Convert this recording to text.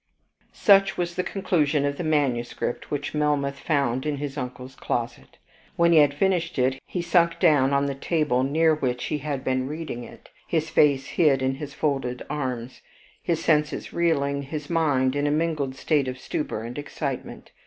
........ Such was the conclusion of the manuscript which Melmoth found in his uncle's closet. When he had finished it, he sunk down on the table near which he had been reading it, his face hid in his folded arms, his senses reeling, his mind in a mingled state of stupor and excitement.